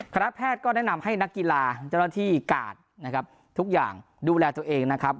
คณะแพทย์ก็แนะนำให้นักกีฬาเจ้าหน้าที่กาดนะครับทุกอย่างดูแลตัวเองนะครับ